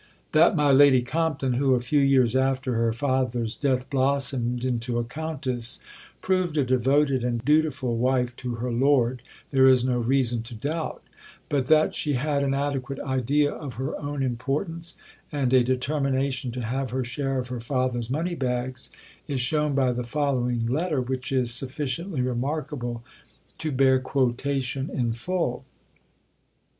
That my Lady Compton, who a few years after her father's death blossomed into a Countess, proved a devoted and dutiful wife to her lord there is no reason to doubt; but that she had an adequate idea of her own importance and a determination to have her share of her father's money bags is shown by the following letter, which is sufficiently remarkable to bear quotation in full.